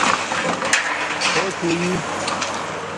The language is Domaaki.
خݸش ہݸئ